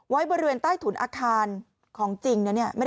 ไว้บริเวณใต้ถุนอาคารของจริงไม่ได้ติดตามนะ